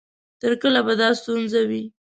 تر کله به دا ستونزه وي؟